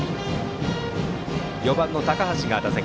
４番の高橋が打席。